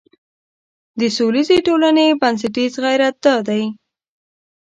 د سولیزې ټولنې بنسټیز غیرت دا دی.